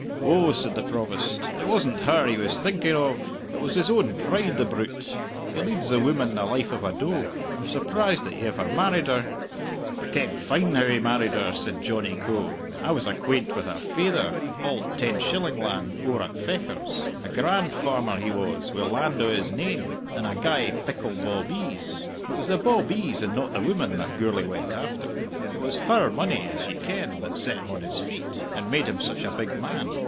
"Oh," said the Provost, "it wasn't her he was thinking of! It was his own pride, the brute. He leads the woman the life of a doag. I'm surprised that he ever married her!" "I ken fine how he married her," said Johnny Coe. "I was acquaint wi' her faither, auld Tenshillingland owre at Fechars a grand farmer he was, wi' land o' his nain, and a gey pickle bawbees. It was the bawbees, and not the woman, that Gourlay went after! It was her money, as ye ken, that set him on his feet, and made him such a big man.